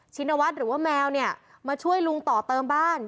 ชินวัฒน์หรือว่าแมวเนี่ยมาช่วยลุงต่อเติมบ้าน